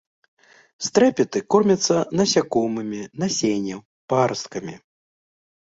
Стрэпеты кормяцца насякомымі, насеннем, парасткамі.